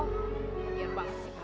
gagir banget sih